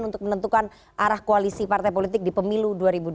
untuk menentukan arah koalisi partai politik di pemilu dua ribu dua puluh